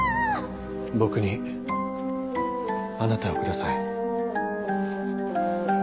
僕にあなたをください。